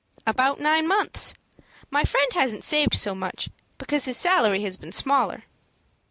"About nine months. My friend hasn't saved so much, because his salary has been smaller."